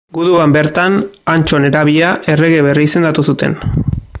Guduan bertan Antso nerabea errege berri izendatu zuten.